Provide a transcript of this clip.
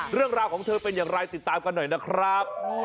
เรื่องราวของเธอเป็นอย่างไรติดตามกันหน่อยนะครับ